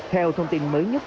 theo thông tin mới nhất